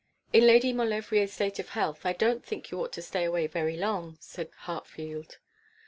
'In Lady Maulevrier's state of health I don't think you ought to stay away very long,' said Hartfield.